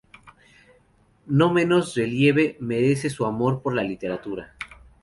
No menos relieve merece su amor por la Literatura.